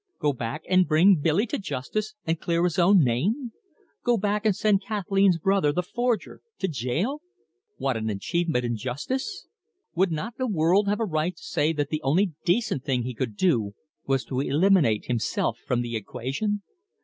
Go back, and bring Billy to justice, and clear his own name? Go back, and send Kathleen's brother, the forger, to jail? What an achievement in justice! Would not the world have a right to say that the only decent thing he could do was to eliminate himself from the equation?